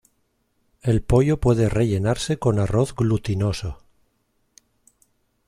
El pollo puede rellenarse con arroz glutinoso.